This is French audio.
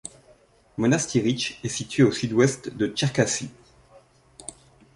Monastyrychtche est située à au sud-ouest de Tcherkassy.